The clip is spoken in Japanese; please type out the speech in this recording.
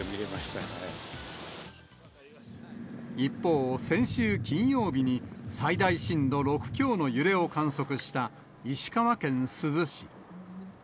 一方、先週金曜日に最大震度６強の揺れを観測した石川県珠洲市。